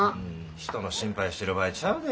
人の心配してる場合ちゃうで。